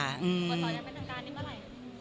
อุปกรณ์สอนแรงแม่ทางการนี้เมื่อไหร่